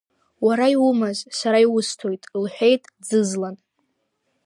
Уара иумаз, сара иусҭоит, — лҳәеит Ӡызлан.